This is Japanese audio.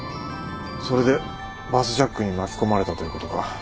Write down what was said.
それでバスジャックに巻き込まれたということか。